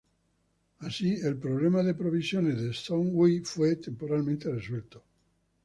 Así, el problema de provisiones de Zhong Hui fue temporalmente resuelto.